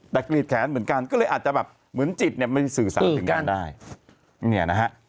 แต่กลีดแขนเหมือนกันก็เลยอาจจะเหมือนจิตไม่สื่อสารถึงกันได้